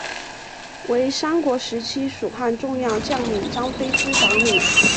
为三国时期蜀汉重要将领张飞之长女。